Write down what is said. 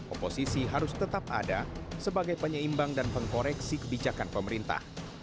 oposisi harus tetap ada sebagai penyeimbang dan pengkoreksi kebijakan pemerintah